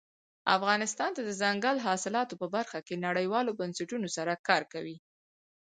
افغانستان د دځنګل حاصلات په برخه کې نړیوالو بنسټونو سره کار کوي.